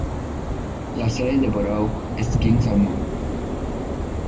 La sede del borough es King Salmon.